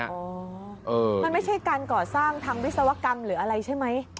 มันไม่ใช่การก่อสร้างทางวิศวกรรมหรืออะไรใช่ไหม